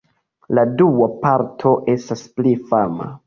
La dua parto estas pli fama.